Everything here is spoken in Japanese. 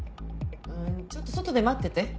ちょっと外で待ってて。